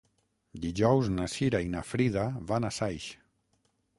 Dijous na Cira i na Frida van a Saix.